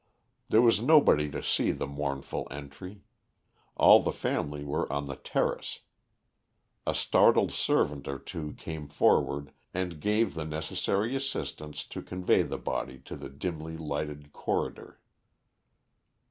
There was nobody to see the mournful entry. All the family were on the terrace. A startled servant or two came forward and gave the necessary assistance to convey the body to the dimly lighted corridor.